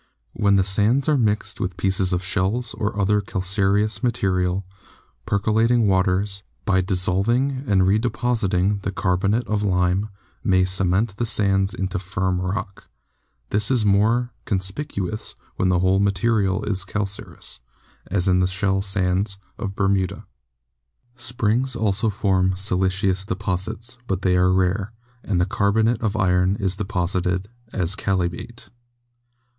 When the sands are mixed with pieces of shells and other cal careous material, percolating waters, by dissolving and redepositing the carbonate of lime, may cement the sands into firm rock. This is the more conspicuous when the whole material is calcareous, as in the shell sands of Bermuda. Springs also form siliceous deposits, but they are rare, and the carbonate of iron is deposited as chalybeate.